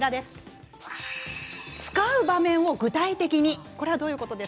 ２つ目使う場面を具体的に。